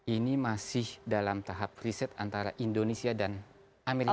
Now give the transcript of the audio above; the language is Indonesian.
ini masih dalam tahap riset antara indonesia dan amerika